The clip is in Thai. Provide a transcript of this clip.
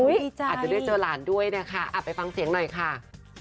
อาจจะได้เจอหลานด้วยนะคะไปฟังเสียงหน่อยค่ะ